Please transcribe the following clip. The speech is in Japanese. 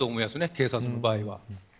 警察の場合。